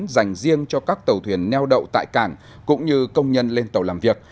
dành riêng cho các tàu thuyền neo đậu tại cảng cũng như công nhân lên tàu làm việc